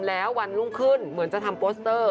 แล้ววันรุ่งขึ้นเหมือนจะทำโปสเตอร์